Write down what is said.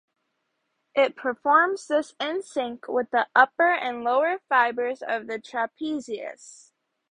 It performs this in sync with the upper and lower fibers of the trapezius.